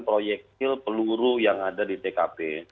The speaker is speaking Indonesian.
proyektil peluru yang ada di tkp